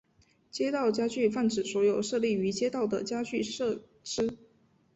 街道家具泛指所有设立于街道的家具设施。